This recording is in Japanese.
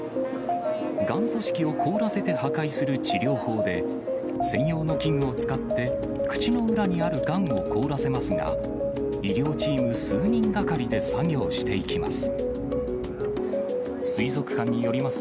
がん組織を凍らせて破壊する治療法で、専用の器具を使って、口の裏にあるがんを凍らせますが、医療チーム数人がかりで作業していきます。